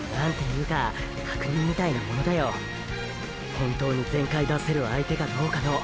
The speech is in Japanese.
本当に全開出せる相手かどうかの！